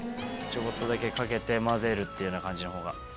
ちょこっとだけかけて混ぜるって感じのほうが。